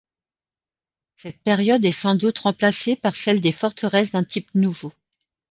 Cette période est sans doute remplacée par celle des forteresses d'un type nouveau.